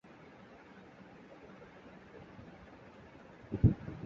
তিনি তৎকালীন সময়ে হাদিসের একজন সুপরিচিত পণ্ডিত ছিলেন।